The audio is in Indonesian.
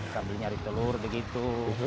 sambil nyari telur begitu